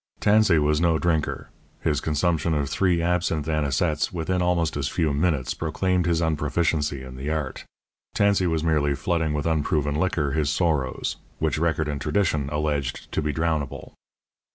Tansey was no drinker; his consumption of three absinthe anisettes within almost as few minutes proclaimed his unproficiency in the art; Tansey was merely flooding with unproven liquor his sorrows; which record and tradition alleged to be drownable.